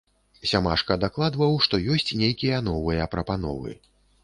Сямашка дакладваў, што ёсць нейкія новыя прапановы.